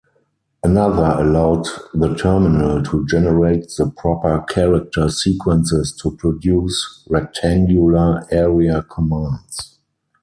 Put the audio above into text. Another allowed the terminal to generate the proper character sequences to produce rectangular-area commands.